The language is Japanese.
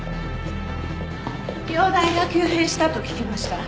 容体が急変したと聞きました。